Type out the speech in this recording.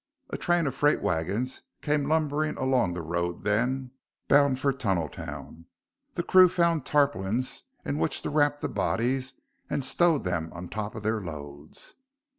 A train of freight wagons came lumbering along the road then, bound for Tunneltown. The crew found tarpaulins in which to wrap the bodies and stowed them on top of their loads.